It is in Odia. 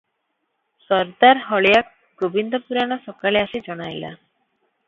ସରଦାର ହଳିଆ ଗୋବିନ୍ଦ ପୁରାଣ ସକାଳେ ଆସି ଜଣାଇଲା